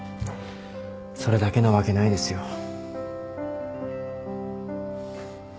それだけなわけないですよ。